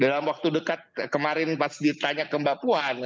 dalam waktu dekat kemarin pas ditanya ke mbak puan